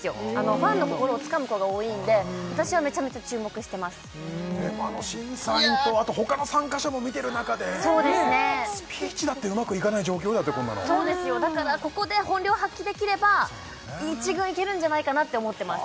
ファンの心をつかむ子が多いんで私はメチャメチャ注目してますでもあの審査員とあと他の参加者も見てる中でスピーチだってうまくいかない状況やってこんなのそうですよだからここで本領発揮できれば１軍いけるんじゃないかなって思っています